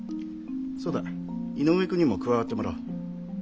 そうだ井上君にも加わってもらおう。